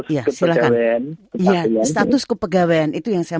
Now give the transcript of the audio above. iya status kepegawaian itu yang saya